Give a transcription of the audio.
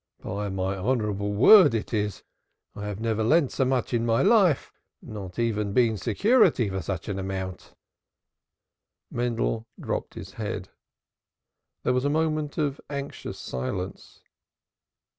By my honorable word, it is. I have never lent so much in my life, nor even been security for such an amount." Mendel dropped his head. There was a moment of anxious silence.